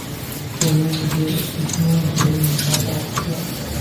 Ring নিয়ে, উদ্বিগ্ন হইয়ো না, বাবা, আচ্ছা?